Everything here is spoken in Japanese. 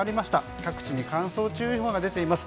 各地に乾燥注意報が出ています。